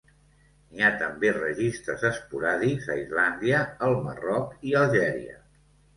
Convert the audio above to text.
N'hi ha també registres esporàdics a Islàndia, el Marroc i Algèria.